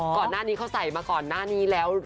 ก่อนหน้านี้เขาใส่มาก่อนหน้านี้แล้ว